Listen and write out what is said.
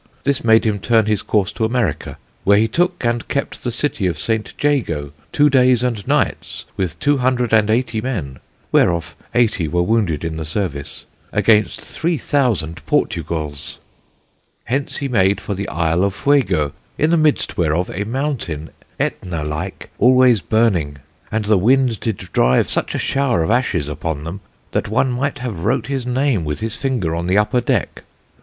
This made him turn his course to America, where he took and kept the city of St. Jago two days and nights, with two hundred and eighty men (whereof eighty were wounded in the service), against three thousand Portugalls. "Hence he made for the Isle of Fuego, in the midst whereof a Mountaine, Ætna like, always burning; and the wind did drive such a shower of ashes upon them, that one might have wrote his name with his finger on the upper deck.